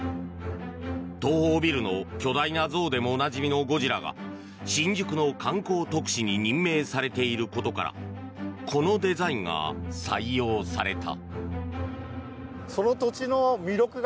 東宝ビルの巨大な像でもおなじみのゴジラが新宿の観光特使に任命されていることからこのデザインが採用された。